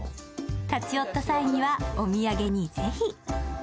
立ち寄った際にはお土産にぜひ。